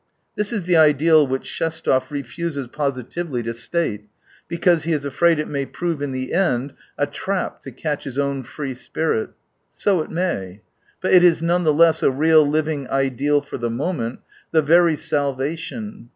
This is the ideal which Shestov refuses positively to state, because he is afraid it may prove in the end a trap to catch his own free spirit. So it may. But it is none the less a real, living ideal for the moment, the very salvation.